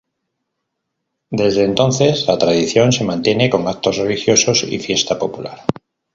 Desde entonces, la tradición se mantiene con actos religiosos y fiesta popular.